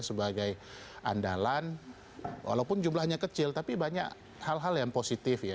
sebagai andalan walaupun jumlahnya kecil tapi banyak hal hal yang positif ya